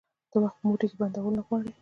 ته وخت په موټې کي بندول نه غواړي